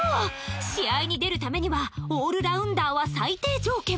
試合に出るためにはオールラウンダーは最低条件